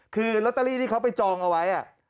คือลอตเตอรี่ที่เขาไปจองเอาไว้